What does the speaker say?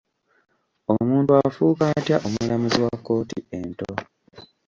Omuntu afuuka atya omulamuzi wa kkooti ento?